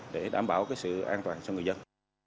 để đảm bảo sự an toàn cho người dân